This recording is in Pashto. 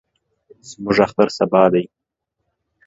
زموږ اختر سبا دئ.